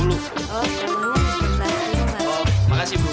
oh dulu terima kasih mbak